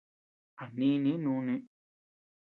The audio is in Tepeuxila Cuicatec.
A nínii núni.